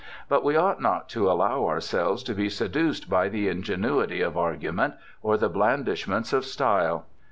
But we ought not to allow ourselves to be seduced by the ingenuity of argument or the blandishments of style.